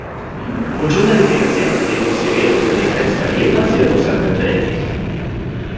Conjunt d'edificacions de tipus civil, de diferents períodes i adossats entre ells.